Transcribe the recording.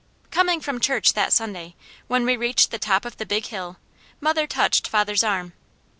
Coming from church that Sunday, when we reached the top of the Big Hill, mother touched father's arm.